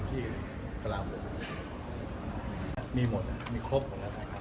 ที่กระหลาบเลขมีหมดค่ะมีครบอะไรก็ขึ้นนะครับ